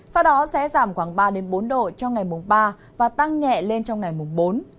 sau đó sẽ giảm khoảng ba bốn độ cho ngày mùng ba và tăng nhẹ lên trong ngày mùng bốn